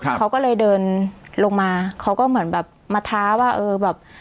เขาก็เลยเดินลงมาเขาก็เหมือนแบบมาท้าว่าเออแบบ